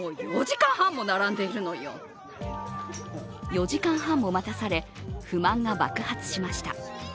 ４時間半も待たされ、不満が爆発しました。